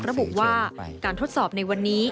ระบุว่าการทดสอบในวันนี้